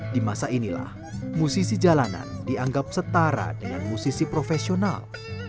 di masa inilah musisi jalanan dianggap setara dengan musisi profesional